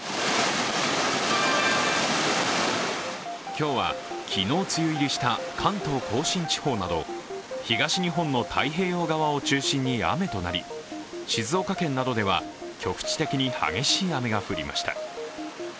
今日は、昨日梅雨入りした関東甲信地方など東日本の太平洋側を中心に雨となり、静岡県などでは局地的に激しい雨が降りました。